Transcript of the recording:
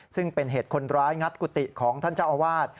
ซึ่งเป็นเหตุคนร้ายงัดกุฏิของท่านเจ้าอาวาส